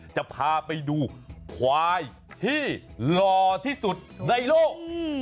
จะพาไปดูควายที่หล่อที่สุดในโลก